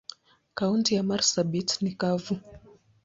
Kaunti ya marsabit ni kavu.